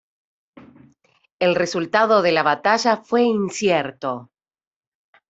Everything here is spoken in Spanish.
El resultado de la batalla fue incierto.